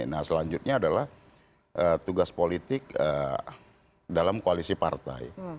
nah selanjutnya adalah tugas politik dalam koalisi partai